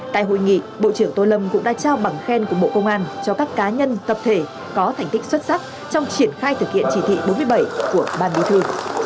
tại hội nghị bộ trưởng tô lâm cũng đã trao bằng khen của bộ công an cho các cá nhân tập thể có thành tích xuất sắc trong triển khai thực hiện chỉ thị bốn mươi bảy của ban bí thư